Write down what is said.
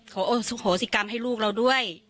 โหสิกรรมให้ลูกเราด้วย